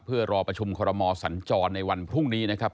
เพื่อรอประชุมคอรมอสัญจรในวันพรุ่งนี้นะครับ